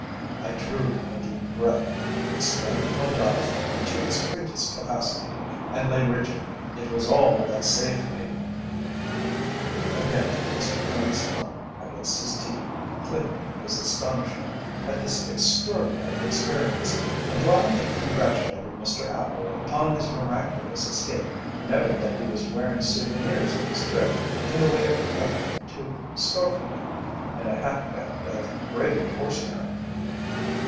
I drew a deep breath, expanded my diaphragm to its greatest capacity, and lay rigid. It was all that saved me." Again Mr. Cone's tongue against his teeth clicked his astonishment at this extraordinary experience, and while he congratulated Mr. Appel upon his miraculous escape he noted that he was wearing souvenirs of his trip in the way of an elk tooth scarf pin and a hat band of braided horse hair.